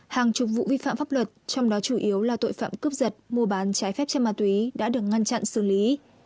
hàng chục vụ vi phạm pháp luật trong đó chủ yếu là tội phạm cướp giật mua bán trái phép chất ma túy đã được ngăn chặn xử lý